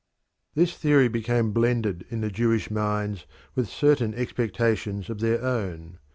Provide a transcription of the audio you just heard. This theory became blended in the Jewish minds with certain expectations of their own.